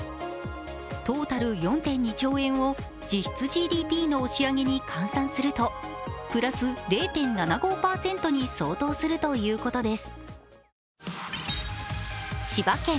トータル４．２兆円を実質ＧＤＰの押し上げに換算するとプラス０．７５％に相当するということです。